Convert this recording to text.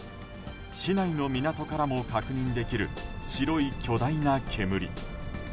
市内の港からも確認できる白い巨大な煙。